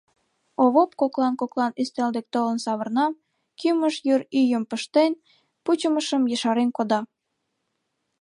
Овоп коклан-коклан ӱстел дек толын савырна, кӱмыж йыр ӱйым пыштен, пучымышым ешарен кода.